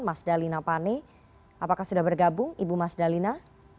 mas dalina pane apakah sudah bergabung ibu mas dalina